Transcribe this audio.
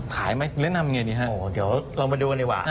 แนะนำไงดีฮะเดี๋ยวเรามาดูกันดีกว่า